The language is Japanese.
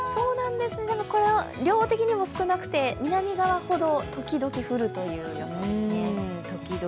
でも量的にも少なくて南側ほど、時々降るということです。